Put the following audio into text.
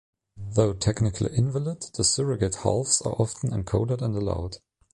Though technically invalid, the surrogate halves are often encoded and allowed.